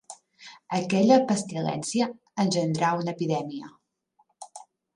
Aquella pestilència engendrà una epidèmia.